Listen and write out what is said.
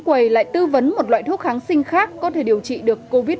quầy lại tư vấn một loại thuốc kháng sinh khác có thể điều trị được covid một mươi chín